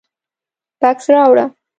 _بکس راوړه.